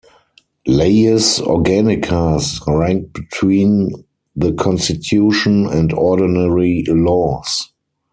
Leyes Organicas rank between the Constitution and ordinary laws.